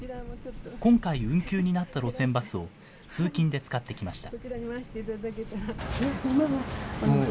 今回、運休になった路線バスを通勤で使ってきました。